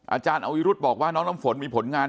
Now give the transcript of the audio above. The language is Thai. คุณยายบอกว่ารู้สึกเหมือนใครมายืนอยู่ข้างหลัง